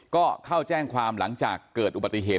ก็เข้าแจ้งความหลังจากเกิดอุบัติเหตุ